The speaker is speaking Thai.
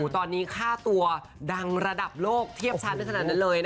ตอนนี้ค่าตัวดังระดับโลกเทียบชั้นขนาดนั้นเลย